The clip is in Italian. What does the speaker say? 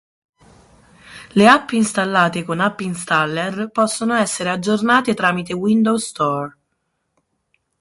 Le app installate con App Installer possono essere aggiornate tramite Windows Store.